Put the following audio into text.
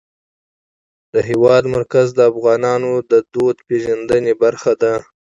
د هېواد مرکز د افغانانو د فرهنګي پیژندنې برخه ده.